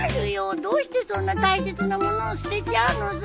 どうしてそんな大切なものを捨てちゃうのさ！